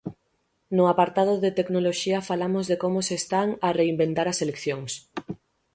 No apartado de tecnoloxía falamos de como se están a reinventar as eleccións.